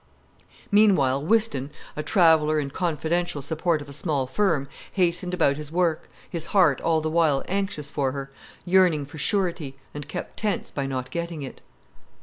Meanwhile Whiston, a traveller and confidential support of a small firm, hastened about his work, his heart all the while anxious for her, yearning for surety, and kept tense by not getting it.